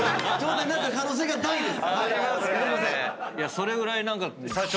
それぐらい何か。